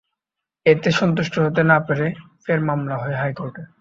এতে সন্তুষ্ট হতে না পেরে ফের মামলা হয় হাইকোর্টে।